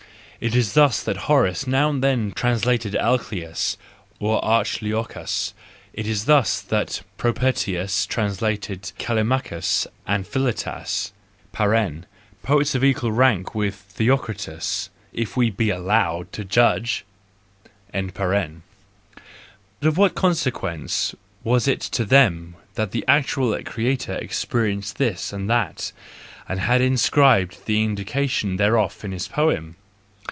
It is thus that Horace now and then translated Alcaeus or Archilochus, it is thus that Propertius translated Callimachus and Philetas (poets of equal rank with Theocritus, if we be allowed to judge): of what consequence was it to them that the actual creator experienced this and that, and had inscribed the indication thereof in his poem!